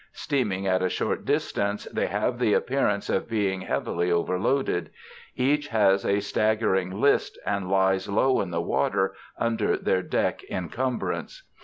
Steaming at a short distance they have the appearance of being heavily overloaded; each has a staggering list and lies low in the water under their deck encumbrance.